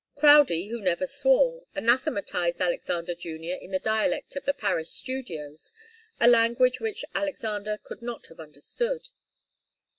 Crowdie, who never swore, anathematized Alexander Junior in the dialect of the Paris studios, a language which Alexander could not have understood.